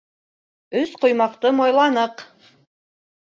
- Өс ҡоймаҡты майланыҡ!